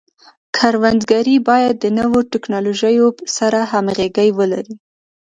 کروندګري باید د نوو ټکنالوژیو سره همغږي ولري.